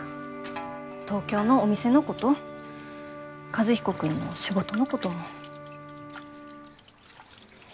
東京のお店のこと和彦君の仕事のことも。